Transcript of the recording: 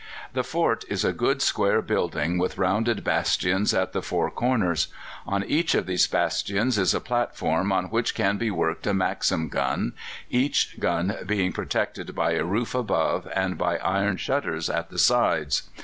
The fort is a good square building, with rounded bastions at the four corners. On each of these bastions is a platform on which can be worked a Maxim gun, each gun being protected by a roof above and by iron shutters at the sides.